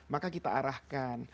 maka kita arahkan